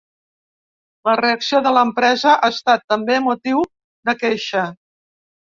La reacció de l’empresa ha estat també motiu de queixa.